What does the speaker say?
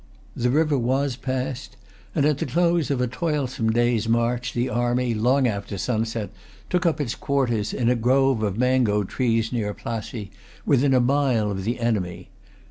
The river was passed; and, at the close of a toilsome day's march, the army, long after sunset, took up its quarters in a grove of mango trees near Plassey, within a mile of the enemy.